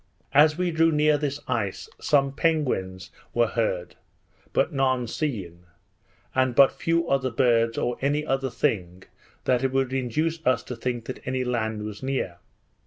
As we drew near this ice some penguins were heard, but none seen; and but few other birds or any other thing that could induce us to think any land was near.